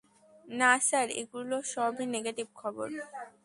না স্যার, এগুলোর সবই নেগেটিভ খবর।